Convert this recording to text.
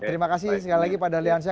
terima kasih sekali lagi pak darliansya